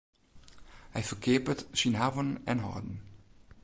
Hy ferkeapet syn hawwen en hâlden.